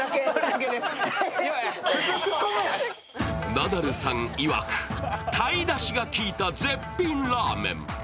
ナダルさんいわく、鯛だしが効いた絶品ラーメン。